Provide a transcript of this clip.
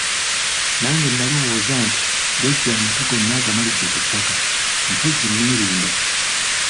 Nange nalowooza nti jjajja amatu gonna agamalidde ku ttaka, mpozzi neerimba.